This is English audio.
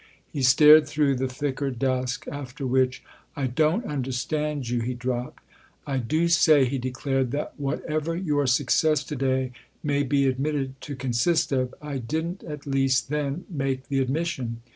He stared through the thicker dusk ; after which, " I don't understand you !" he dropped. " I do 274 THE OTHER HOUSE say," he declared, "that, whatever your success to day may be admitted to consist of, I didn't at least then make the admission.